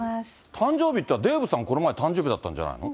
誕生日って、デーブさん、この前、誕生日だったんじゃないの？